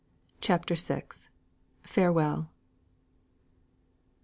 CHAPTER VI. FAREWELL.